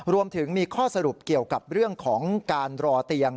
รวมถึงมีข้อสรุปเกี่ยวกับเรื่องของการรอเตียง